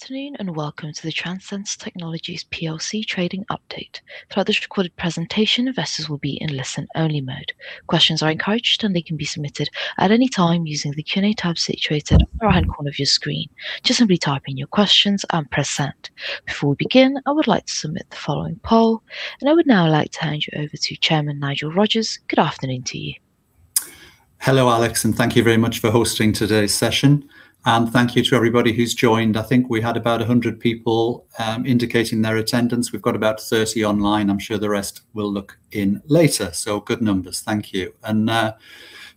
Afternoon. Welcome to the Transense Technologies plc trading update. Throughout this recorded presentation, investors will be in listen-only mode. Questions are encouraged. They can be submitted at any time using the Q&A tab situated on the right-hand corner of your screen. Just simply type in your questions and press send. Before we begin, I would like to submit the following poll. I would now like to hand you over to Chairman Nigel Rogers. Good afternoon to you. Hello, Alex. Thank you very much for hosting today's session. Thank you to everybody who has joined. I think we had about 100 people indicating their attendance. We have got about 30 online. I am sure the rest will look in later. Good numbers. Thank you.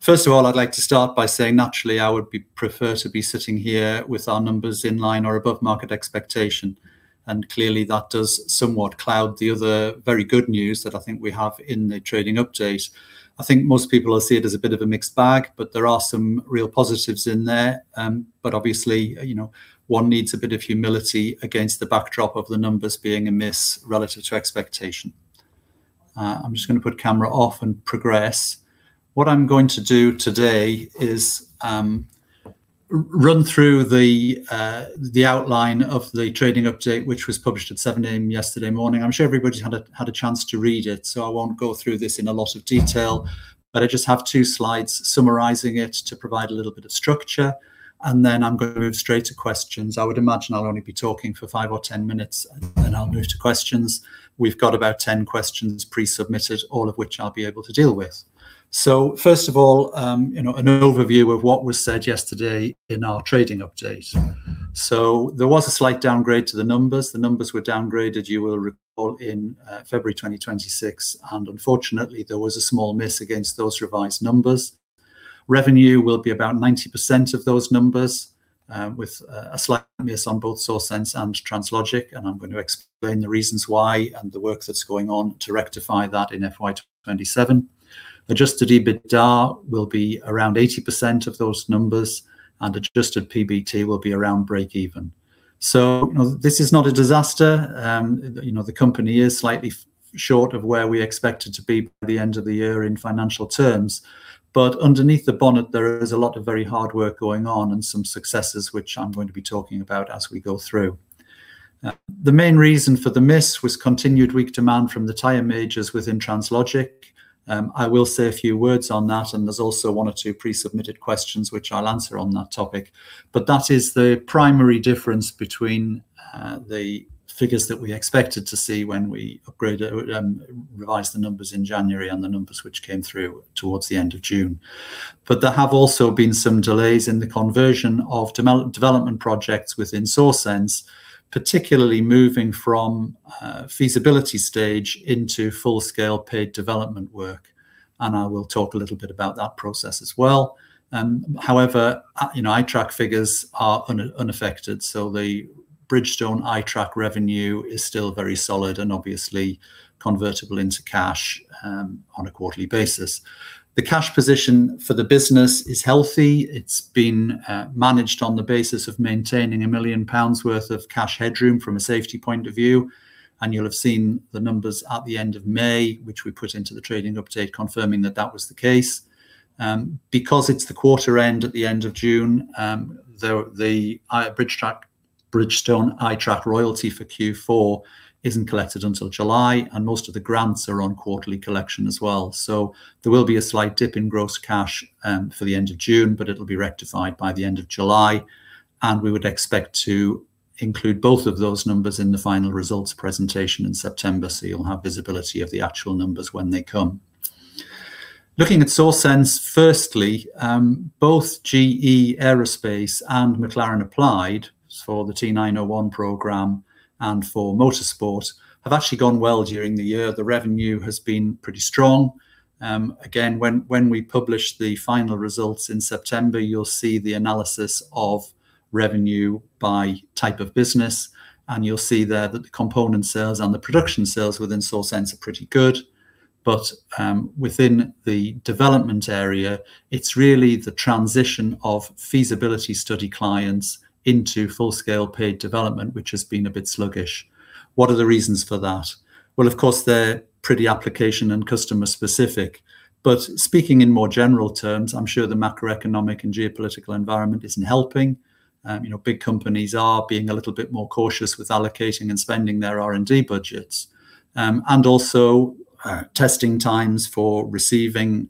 First of all, I would like to start by saying naturally I would prefer to be sitting here with our numbers in line or above market expectation, and clearly that does somewhat cloud the other very good news that I think we have in the trading update. I think most people will see it as a bit of a mixed bag, but there are some real positives in there. Obviously, one needs a bit of humility against the backdrop of the numbers being a miss relative to expectation. I am just going to put camera off and progress. What I am going to do today is run through the outline of the trading update, which was published at 7:00 A.M. yesterday morning. I am sure everybody has had a chance to read it, so I will not go through this in a lot of detail, but I just have two slides summarizing it to provide a little bit of structure. Then I am going to move straight to questions. I would imagine I will only be talking for five or 10 minutes, and then I will move to questions. We have got about 10 questions pre-submitted, all of which I will be able to deal with. First of all, an overview of what was said yesterday in our trading update. There was a slight downgrade to the numbers. The numbers were downgraded, you will recall, in February 2026, and unfortunately, there was a small miss against those revised numbers. Revenue will be about 90% of those numbers, with a slight miss on both SAWsense and Translogik, and I am going to explain the reasons why and the work that is going on to rectify that in FY 2027. Adjusted EBITDA will be around 80% of those numbers, and adjusted PBT will be around breakeven. This is not a disaster. The company is slightly short of where we expected to be by the end of the year in financial terms. Underneath the bonnet, there is a lot of very hard work going on and some successes, which I am going to be talking about as we go through. The main reason for the miss was continued weak demand from the tire majors within Translogik. I will say a few words on that, and there is also one or two pre-submitted questions which I will answer on that topic. That is the primary difference between the figures that we expected to see when we revised the numbers in January and the numbers which came through towards the end of June. There have also been some delays in the conversion of development projects within SAWsense, particularly moving from feasibility stage into full-scale paid development work, and I will talk a little bit about that process as well. However, iTrack figures are unaffected, so the Bridgestone iTrack revenue is still very solid and obviously convertible into cash on a quarterly basis. The cash position for the business is healthy. It's been managed on the basis of maintaining 1 million pounds worth of cash headroom from a safety point of view, and you'll have seen the numbers at the end of May, which we put into the trading update confirming that that was the case. Because it's the quarter end at the end of June, the Bridgestone iTrack royalty for Q4 isn't collected until July, and most of the grants are on quarterly collection as well. There will be a slight dip in gross cash for the end of June, but it'll be rectified by the end of July, and we would expect to include both of those numbers in the final results presentation in September. You'll have visibility of the actual numbers when they come. Looking at SAWsense, firstly, both GE Aerospace and McLaren Applied for the T901 program and for motorsport have actually gone well during the year. The revenue has been pretty strong. Again, when we publish the final results in September, you'll see the analysis of revenue by type of business, and you'll see there that the component sales and the production sales within SAWsense are pretty good. Within the development area, it's really the transition of feasibility study clients into full-scale paid development, which has been a bit sluggish. What are the reasons for that? Well, of course, they're pretty application and customer specific. Speaking in more general terms, I'm sure the macroeconomic and geopolitical environment isn't helping. Big companies are being a little bit more cautious with allocating and spending their R&D budgets. Also, testing times for receiving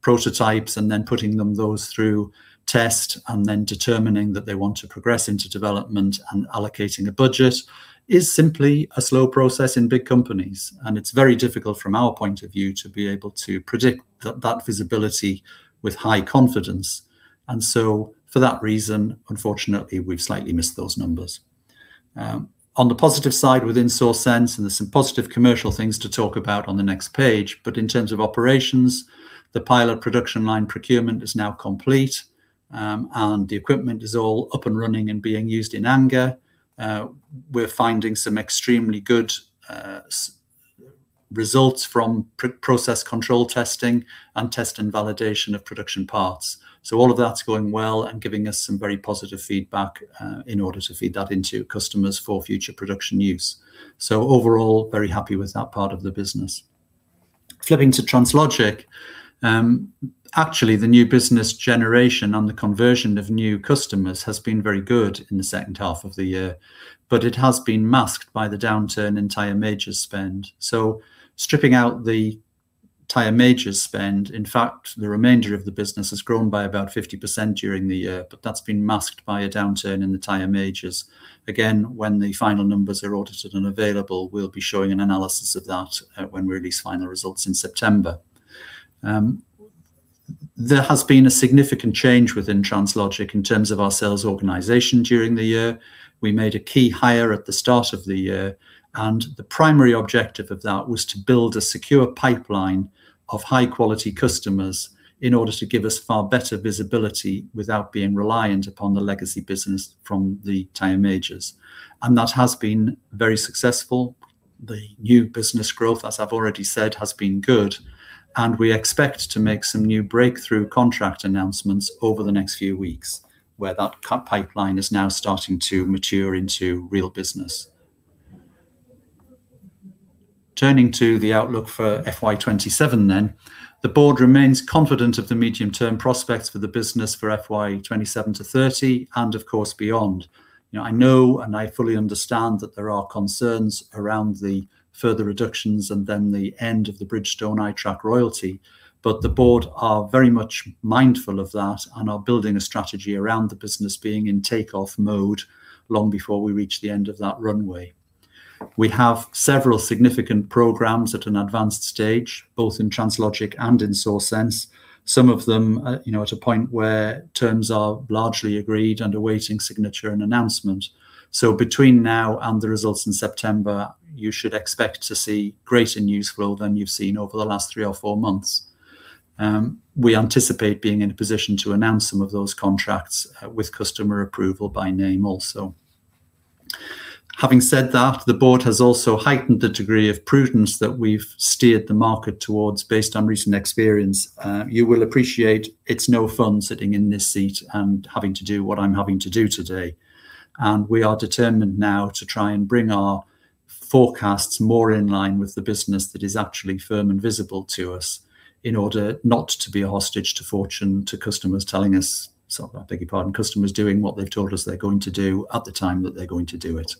prototypes and then putting those through test and then determining that they want to progress into development and allocating a budget is simply a slow process in big companies, and it's very difficult from our point of view to be able to predict that visibility with high confidence. For that reason, unfortunately, we've slightly missed those numbers. On the positive side within SAWsense, there's some positive commercial things to talk about on the next page, but in terms of operations, the pilot production line procurement is now complete, and the equipment is all up and running and being used in anger. We're finding some extremely good results from process control testing and test and validation of production parts. All of that's going well and giving us some very positive feedback in order to feed that into customers for future production use. Overall, very happy with that part of the business. Flipping to Translogik, actually the new business generation on the conversion of new customers has been very good in the second half of the year. It has been masked by the downturn in tire major spend. Stripping out the tire major spend, in fact, the remainder of the business has grown by about 50% during the year, but that's been masked by a downturn in the tire majors. Again, when the final numbers are audited and available, we'll be showing an analysis of that when we release final results in September. There has been a significant change within Translogik in terms of our sales organization during the year. We made a key hire at the start of the year, and the primary objective of that was to build a secure pipeline of high-quality customers in order to give us far better visibility without being reliant upon the legacy business from the tire majors. That has been very successful. The new business growth, as I've already said, has been good. We expect to make some new breakthrough contract announcements over the next few weeks, where that pipeline is now starting to mature into real business. Turning to the outlook for FY 2027, the board remains confident of the medium-term prospects for the business for FY 2027-2030, and of course, beyond. I know and I fully understand that there are concerns around the further reductions and the end of the Bridgestone iTrack royalty. The board are very much mindful of that and are building a strategy around the business being in takeoff mode long before we reach the end of that runway. We have several significant programs at an advanced stage, both in Translogik and in SAWsense. Some of them at a point where terms are largely agreed and awaiting signature and announcement. Between now and the results in September, you should expect to see greater news flow than you've seen over the last three or four months. We anticipate being in a position to announce some of those contracts with customer approval by name also. Having said that, the board has also heightened the degree of prudence that we've steered the market towards based on recent experience. You will appreciate it's no fun sitting in this seat and having to do what I'm having to do today. We are determined now to try and bring our forecasts more in line with the business that is actually firm and visible to us in order not to be a hostage to fortune to customers telling us, beg your pardon, customers doing what they've told us they're going to do at the time that they're going to do it.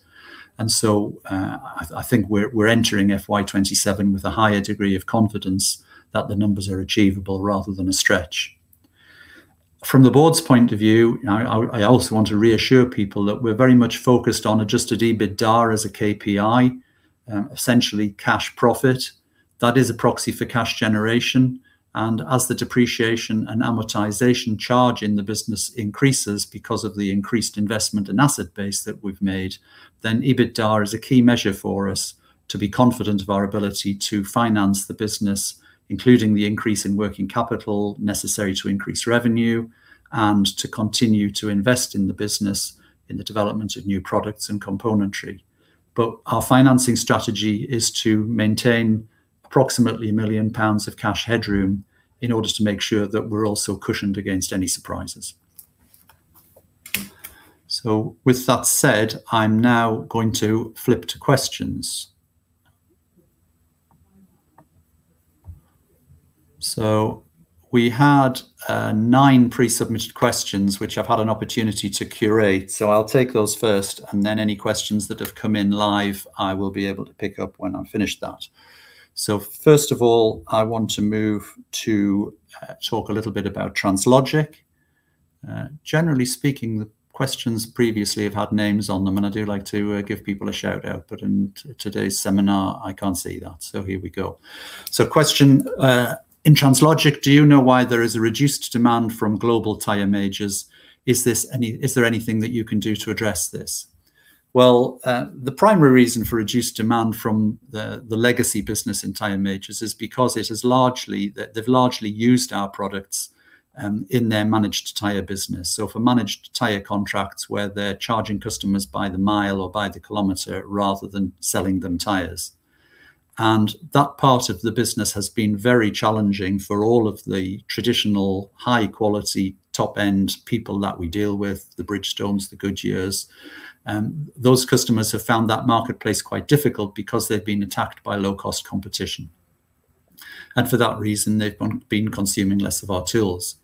I think we're entering FY 2027 with a higher degree of confidence that the numbers are achievable rather than a stretch. From the board's point of view, I also want to reassure people that we're very much focused on adjusted EBITDA as a KPI, essentially cash profit. That is a proxy for cash generation, and as the depreciation and amortization charge in the business increases because of the increased investment and asset base that we've made, EBITDA is a key measure for us to be confident of our ability to finance the business, including the increase in working capital necessary to increase revenue and to continue to invest in the business in the development of new products and componentry. Our financing strategy is to maintain approximately 1 million pounds of cash headroom in order to make sure that we're also cushioned against any surprises. With that said, I'm now going to flip to questions. We had nine pre-submitted questions, which I've had an opportunity to curate. I'll take those first, and then any questions that have come in live, I will be able to pick up when I've finished that. First of all, I want to move to talk a little bit about Translogik. Generally speaking, the questions previously have had names on them, and I do like to give people a shout-out, but in today's seminar I can't see that. Here we go. Question, in Translogik, do you know why there is a reduced demand from global tire majors? Is there anything that you can do to address this? Well, the primary reason for reduced demand from the legacy business in tire majors is because they've largely used our products in their managed tire business. For managed tire contracts where they're charging customers by the mile or by the kilometer rather than selling them tires. That part of the business has been very challenging for all of the traditional high quality, top end people that we deal with, the Bridgestones, the Goodyears. Those customers have found that marketplace quite difficult because they've been attacked by low-cost competition. For that reason, they've been consuming less of our tools.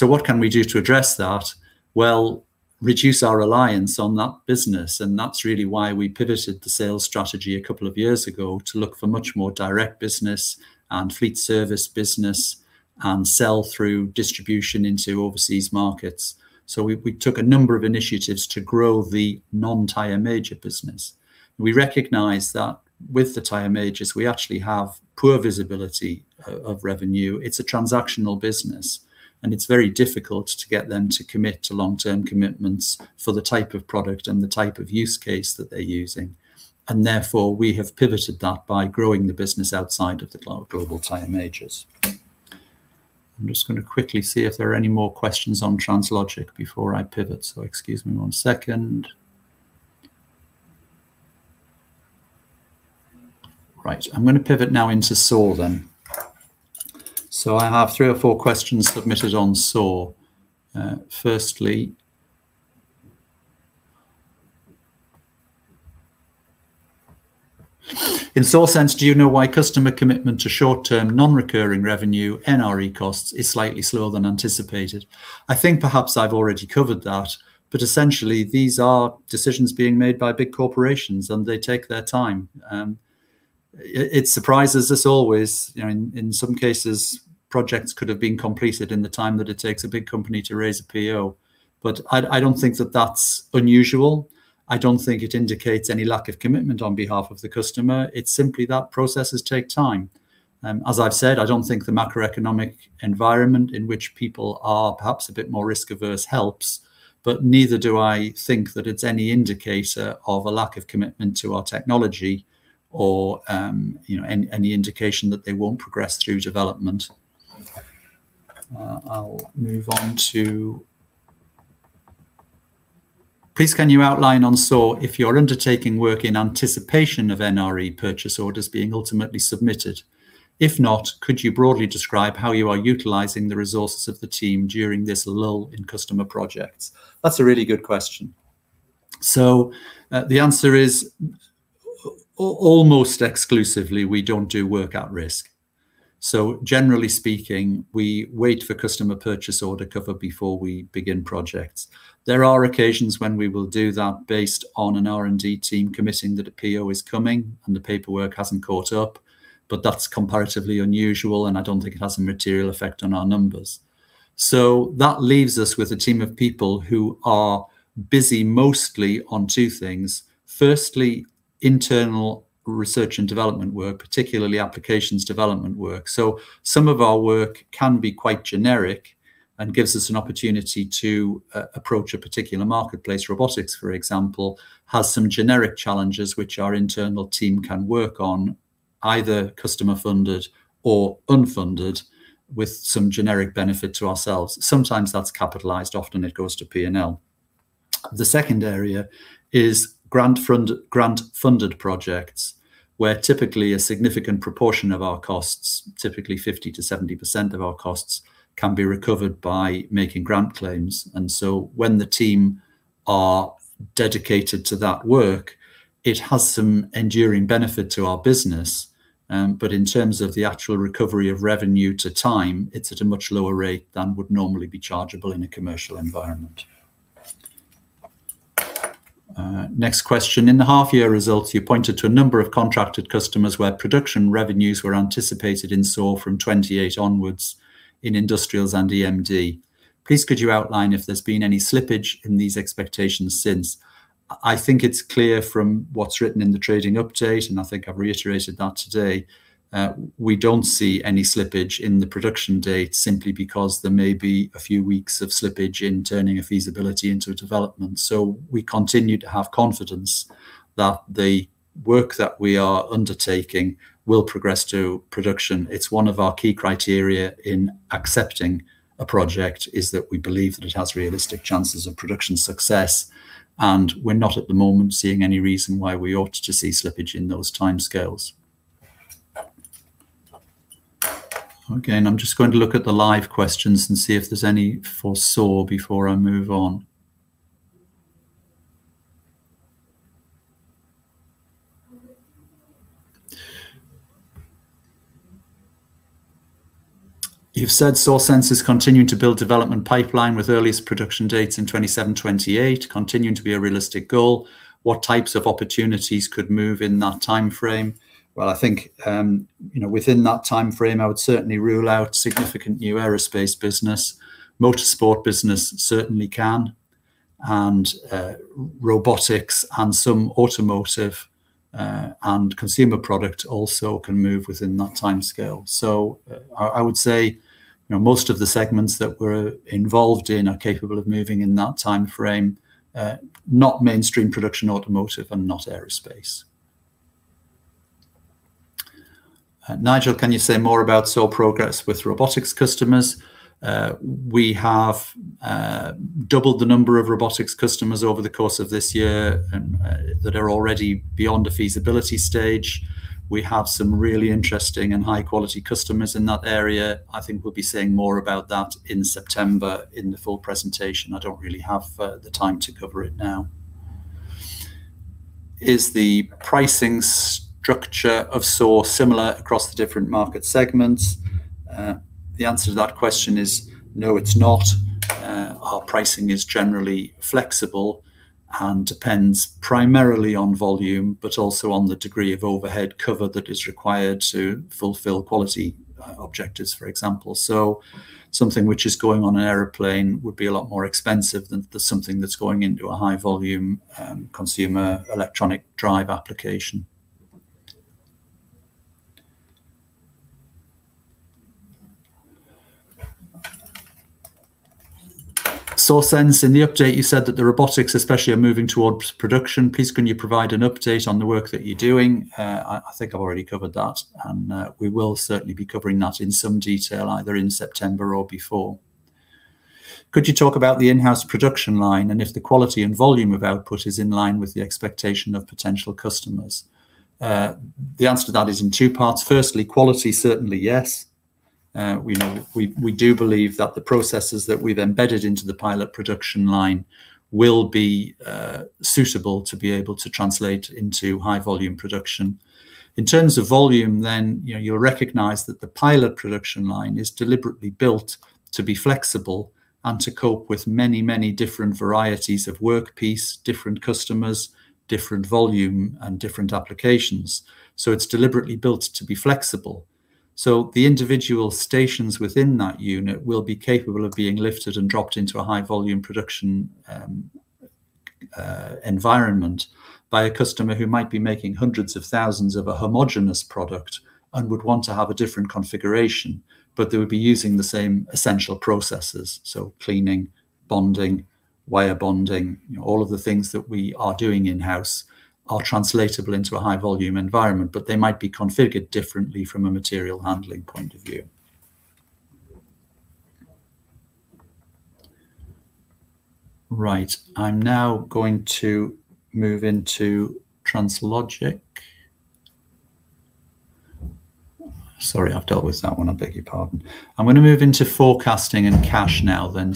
What can we do to address that? Well, reduce our reliance on that business, and that's really why we pivoted the sales strategy a couple of years ago to look for much more direct business and fleet service business and sell through distribution into overseas markets. We took a number of initiatives to grow the non-tire major business. We recognize that with the tire majors, we actually have poor visibility of revenue. It's a transactional business, and it's very difficult to get them to commit to long-term commitments for the type of product and the type of use case that they're using. Therefore, we have pivoted that by growing the business outside of the global tire majors. I'm just going to quickly see if there are any more questions on Translogik before I pivot, excuse me one second. Right. I'm going to pivot now into SAWsense then. I have three or four questions submitted on SAWsense. Firstly In SAWsense, do you know why customer commitment to short-term non-recurring revenue, NRE costs, is slightly slower than anticipated? I think perhaps I've already covered that, but essentially these are decisions being made by big corporations, and they take their time. It surprises us always, in some cases, projects could have been completed in the time that it takes a big company to raise a PO. I don't think that that's unusual. I don't think it indicates any lack of commitment on behalf of the customer. It's simply that processes take time. As I've said, I don't think the macroeconomic environment in which people are perhaps a bit more risk-averse helps, but neither do I think that it's any indicator of a lack of commitment to our technology or any indication that they won't progress through development. I'll move on to, please can you outline on SAWsense if you're undertaking work in anticipation of NRE purchase orders being ultimately submitted? If not, could you broadly describe how you are utilizing the resources of the team during this lull in customer projects? That's a really good question. The answer is, almost exclusively, we don't do work at risk. Generally speaking, we wait for customer purchase order cover before we begin projects. There are occasions when we will do that based on an R&D team committing that a PO is coming and the paperwork hasn't caught up, but that's comparatively unusual, and I don't think it has a material effect on our numbers. That leaves us with a team of people who are busy mostly on two things. Firstly, internal research and development work, particularly applications development work. Some of our work can be quite generic and gives us an opportunity to approach a particular marketplace. Robotics, for example, has some generic challenges which our internal team can work on, either customer-funded or unfunded, with some generic benefit to ourselves. Sometimes that's capitalized, often it goes to P&L. The second area is grant-funded projects, where typically a significant proportion of our costs, typically 50%-70% of our costs, can be recovered by making grant claims. When the team are dedicated to that work, it has some enduring benefit to our business. In terms of the actual recovery of revenue to time, it's at a much lower rate than would normally be chargeable in a commercial environment. Next question. In the half-year results, you pointed to a number of contracted customers where production revenues were anticipated in SAWsense from 2028 onwards in industrials and EMD. Please could you outline if there's been any slippage in these expectations since? I think it's clear from what's written in the trading update, I think I've reiterated that today, we don't see any slippage in the production date simply because there may be a few weeks of slippage in turning a feasibility into a development. We continue to have confidence that the work that we are undertaking will progress to production. It's one of our key criteria in accepting a project is that we believe that it has realistic chances of production success, and we're not at the moment seeing any reason why we ought to see slippage in those timescales. I'm just going to look at the live questions and see if there's any for SAWsense before I move on. You've said SAWsense is continuing to build development pipeline with earliest production dates in 2027-2028, continuing to be a realistic goal. What types of opportunities could move in that timeframe? I think, within that timeframe, I would certainly rule out significant new aerospace business. Motorsport business certainly can, and robotics and some automotive and consumer product also can move within that timescale. I would say most of the segments that we're involved in are capable of moving in that timeframe. Not mainstream production automotive and not aerospace. Nigel, can you say more about SAWsense progress with robotics customers? We have doubled the number of robotics customers over the course of this year that are already beyond a feasibility stage. We have some really interesting and high-quality customers in that area. I think we'll be saying more about that in September in the full presentation. I don't really have the time to cover it now. Is the pricing structure of SAWsense similar across the different market segments? The answer to that question is no, it's not. Our pricing is generally flexible and depends primarily on volume, but also on the degree of overhead cover that is required to fulfill quality objectives, for example. Something which is going on an airplane would be a lot more expensive than just something that's going into a high volume consumer electronic drive application. SAWsense, in the update you said that the robotics especially are moving towards production. Please can you provide an update on the work that you're doing? I think I've already covered that. We will certainly be covering that in some detail either in September or before. Could you talk about the in-house production line and if the quality and volume of output is in line with the expectation of potential customers? The answer to that is in two parts. Firstly, quality, certainly yes. We do believe that the processes that we've embedded into the pilot production line will be suitable to be able to translate into high volume production. In terms of volume then, you'll recognize that the pilot production line is deliberately built to be flexible and to cope with many, many different varieties of work piece, different customers, different volume, and different applications. It's deliberately built to be flexible. The individual stations within that unit will be capable of being lifted and dropped into a high volume production environment by a customer who might be making hundreds of thousands of a homogenous product and would want to have a different configuration, but they would be using the same essential processes. Cleaning, bonding, wire bonding, all of the things that we are doing in-house are translatable into a high volume environment, but they might be configured differently from a material handling point of view. Right. I'm now going to move into Translogik. Sorry, I've dealt with that one. I beg your pardon. I'm going to move into forecasting and cash now then.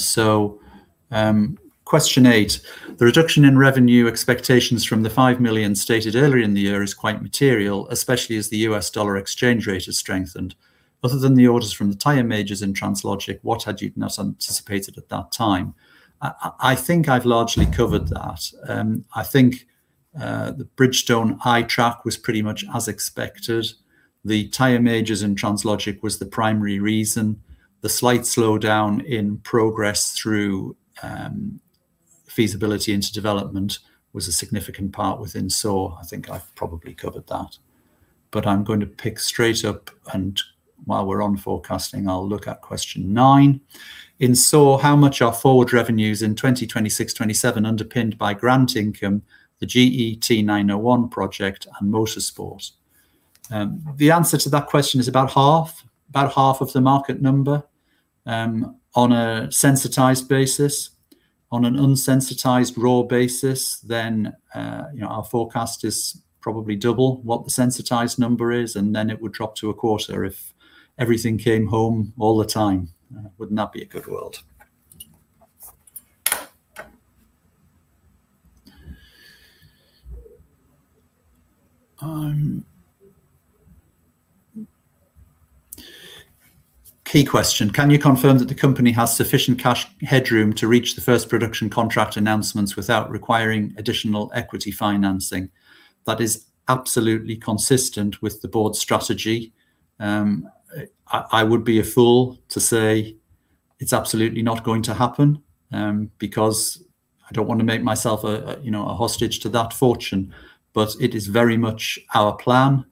Question eight, the reduction in revenue expectations from the 5 million stated earlier in the year is quite material, especially as the USD exchange rate has strengthened. Other than the orders from the tire majors in Translogik, what had you not anticipated at that time? I think I've largely covered that. I think the Bridgestone iTrack was pretty much as expected. The tire majors in Translogik was the primary reason. The slight slowdown in progress through feasibility into development was a significant part within SAW. I think I've probably covered that. I'm going to pick straight up, and while we're on forecasting, I'll look at question nine. In SAW, how much are forward revenues in 2026/2027 underpinned by grant income, GE T901 project, and motorsport? The answer to that question is about half of the market number, on a sensitized basis. On an unsensitized raw basis, our forecast is probably double what the sensitized number is, and then it would drop to a quarter if everything came home all the time. Wouldn't that be a good world? Key question, can you confirm that the company has sufficient cash headroom to reach the first production contract announcements without requiring additional equity financing? That is absolutely consistent with the board's strategy. I would be a fool to say it's absolutely not going to happen, because I don't want to make myself a hostage to that fortune. It is very much our plan.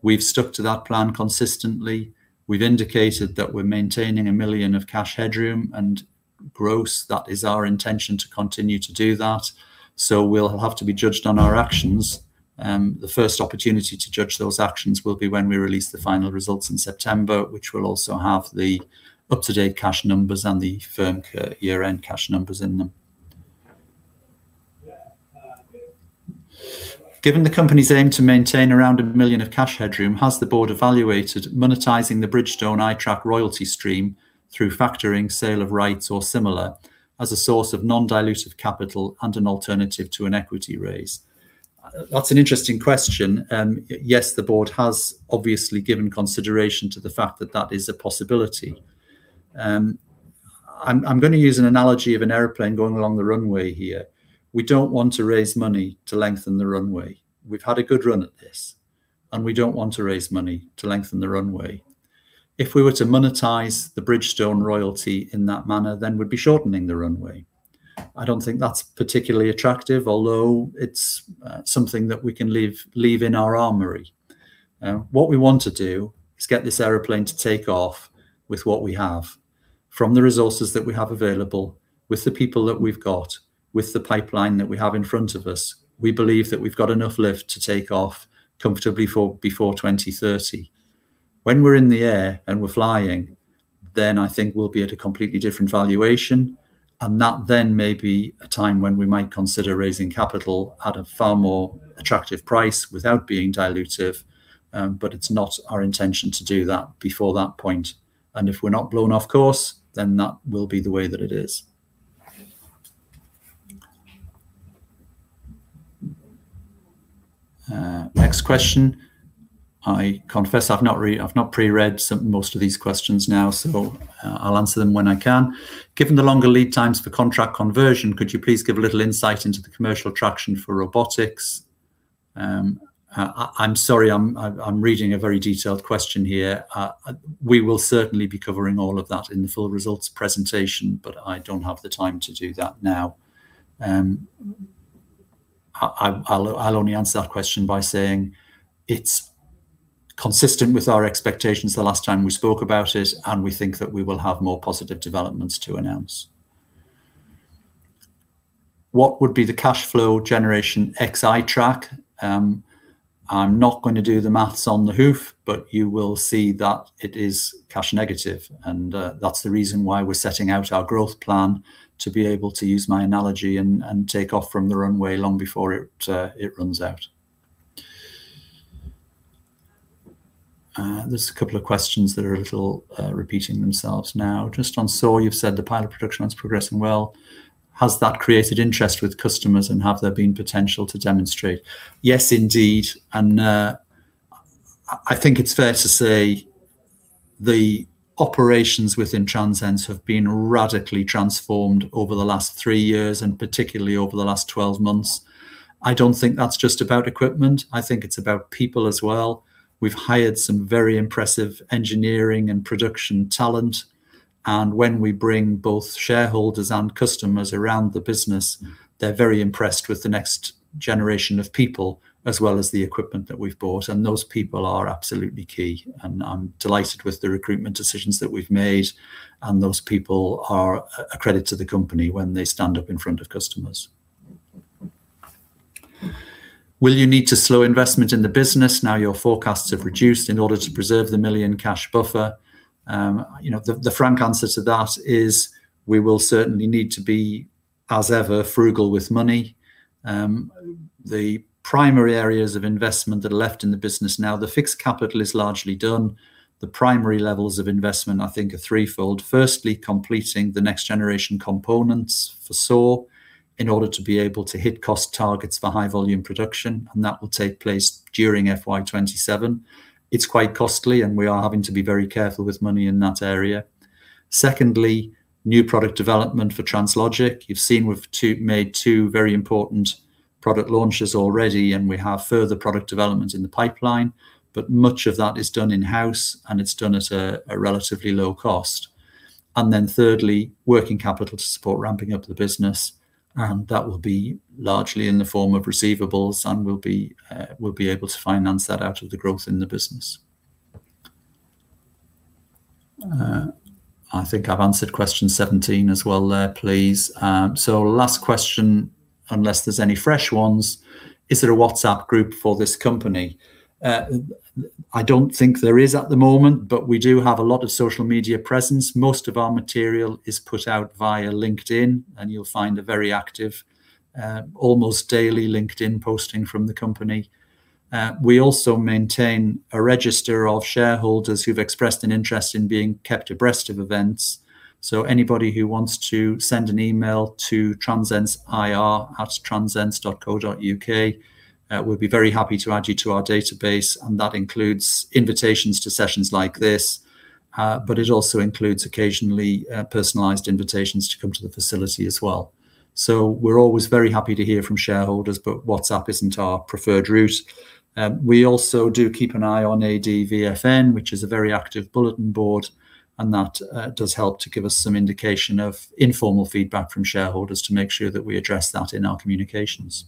We've stuck to that plan consistently. We've indicated that we're maintaining 1 million of cash headroom and gross. That is our intention to continue to do that. We'll have to be judged on our actions. The first opportunity to judge those actions will be when we release the final results in September, which will also have the up-to-date cash numbers and the firm year-end cash numbers in them. Given the company's aim to maintain around 1 million of cash headroom, has the board evaluated monetizing the Bridgestone iTrack royalty stream through factoring, sale of rights or similar, as a source of non-dilutive capital and an alternative to an equity raise? That's an interesting question. Yes, the board has obviously given consideration to the fact that that is a possibility. I'm going to use an analogy of an airplane going along the runway here. We don't want to raise money to lengthen the runway. We've had a good run at this. We don't want to raise money to lengthen the runway. If we were to monetize the Bridgestone royalty in that manner, we'd be shortening the runway. I don't think that's particularly attractive, although it's something that we can leave in our armory. What we want to do is get this airplane to take off with what we have. From the resources that we have available, with the people that we've got, with the pipeline that we have in front of us, we believe that we've got enough lift to take off comfortably before 2030. When we're in the air and we're flying, I think we'll be at a completely different valuation, and that then may be a time when we might consider raising capital at a far more attractive price without being dilutive. It's not our intention to do that before that point. If we're not blown off course, that will be the way that it is. Next question. I confess I've not pre-read most of these questions now. I'll answer them when I can. Given the longer lead times for contract conversion, could you please give a little insight into the commercial traction for robotics? I'm sorry, I'm reading a very detailed question here. We will certainly be covering all of that in the full results presentation. I don't have the time to do that now. I'll only answer that question by saying it's consistent with our expectations the last time we spoke about it. We think that we will have more positive developments to announce. What would be the cash flow generation ex iTrack? I'm not going to do the maths on the hoof. You will see that it is cash negative. That's the reason why we're setting out our growth plan to be able to use my analogy and take off from the runway long before it runs out. There's a couple of questions that are a little repeating themselves now. Just on SAW, you've said the pilot production line's progressing well. Has that created interest with customers, and have there been potential to demonstrate? Yes, indeed, I think it's fair to say the operations within Transense have been radically transformed over the last three years, and particularly over the last 12 months. I don't think that's just about equipment. I think it's about people as well. We've hired some very impressive engineering and production talent, and when we bring both shareholders and customers around the business, they're very impressed with the next generation of people, as well as the equipment that we've bought. Those people are absolutely key, and I'm delighted with the recruitment decisions that we've made. Those people are a credit to the company when they stand up in front of customers. Will you need to slow investment in the business now your forecasts have reduced in order to preserve the 1 million cash buffer? The frank answer to that is we will certainly need to be, as ever, frugal with money. The primary areas of investment that are left in the business now, the fixed capital is largely done. The primary levels of investment I think are threefold. Firstly, completing the next generation components for SAW in order to be able to hit cost targets for high-volume production, and that will take place during FY 2027. It's quite costly, and we are having to be very careful with money in that area. Secondly, new product development for Translogik. You've seen we've made two very important product launches already, and we have further product development in the pipeline, but much of that is done in-house, and it's done at a relatively low cost. Thirdly, working capital to support ramping up the business. That will be largely in the form of receivables and we'll be able to finance that out of the growth in the business. I think I've answered question 17 as well there, please. Last question, unless there's any fresh ones, is there a WhatsApp group for this company? I don't think there is at the moment, but we do have a lot of social media presence. Most of our material is put out via LinkedIn, and you'll find a very active, almost daily LinkedIn posting from the company. We also maintain a register of shareholders who've expressed an interest in being kept abreast of events. Anybody who wants to send an email to transenseIR@transense.co.uk, we'll be very happy to add you to our database, and that includes invitations to sessions like this. It also includes occasionally personalized invitations to come to the facility as well. We're always very happy to hear from shareholders, but WhatsApp isn't our preferred route. We also do keep an eye on ADVFN, which is a very active bulletin board, and that does help to give us some indication of informal feedback from shareholders to make sure that we address that in our communications.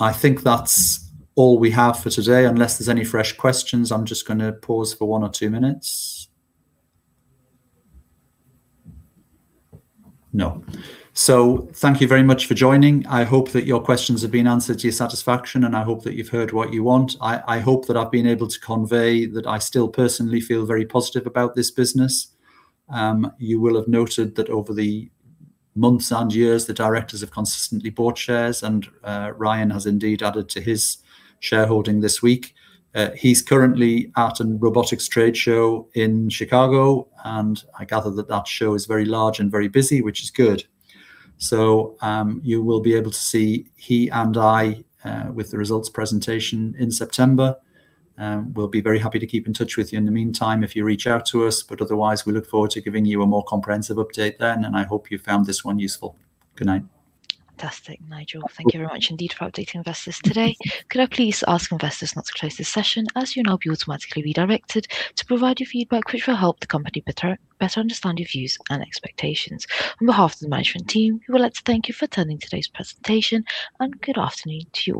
I think that's all we have for today, unless there's any fresh questions. I'm just going to pause for one or two minutes. No. Thank you very much for joining. I hope that your questions have been answered to your satisfaction, and I hope that you've heard what you want. I hope that I've been able to convey that I still personally feel very positive about this business. You will have noted that over the months and years, the directors have consistently bought shares, and Ryan has indeed added to his shareholding this week. He's currently at an robotics trade show in Chicago. I gather that show is very large and very busy, which is good. You will be able to see he and I with the results presentation in September. We'll be very happy to keep in touch with you in the meantime if you reach out to us. Otherwise, we look forward to giving you a more comprehensive update then. I hope you found this one useful. Good night. Fantastic, Nigel. Thank you very much indeed for updating investors today. Could I please ask investors not to close this session, as you'll now be automatically redirected to provide your feedback which will help the company better understand your views and expectations. On behalf of the management team, we would like to thank you for attending today's presentation. Good afternoon to you all.